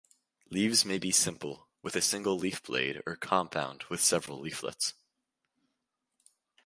Leaves may be simple, with a single leaf blade, or compound, with several leaflets.